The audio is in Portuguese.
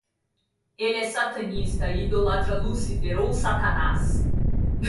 Ele é satanista e idolatra Lucifer ou Satanás